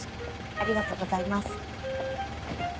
ありがとうございます。